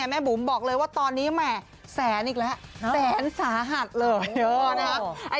บุ๋มบอกเลยว่าตอนนี้แหม่แสนอีกแล้วแสนสาหัสเลยนะคะ